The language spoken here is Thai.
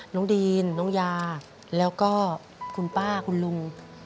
ดีนน้องยาแล้วก็คุณป้าคุณลุง